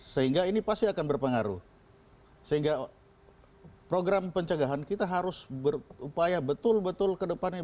sehingga ini pasti akan berpengaruh sehingga program pencegahan kita harus berupaya betul betul kedepannya